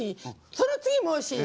その次もおいしい。